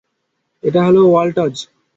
এটা হলো ওয়াল্টজ।